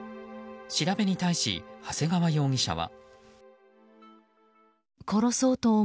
調べに対し長谷川容疑者は。